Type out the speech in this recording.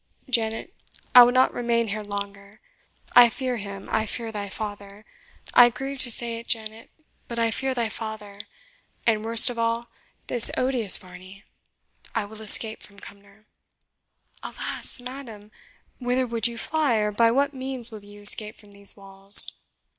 Janet, I will not remain here longer I fear him I fear thy father. I grieve to say it, Janet but I fear thy father, and, worst of all, this odious Varney, I will escape from Cumnor." "Alas! madam, whither would you fly, or by what means will you escape from these walls?"